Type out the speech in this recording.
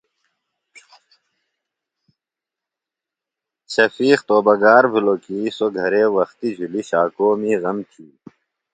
شفیق توبہ گار بِھلوۡ کی سوۡ گھرے وختیۡ جُھلیۡ شاکومی غم تھی۔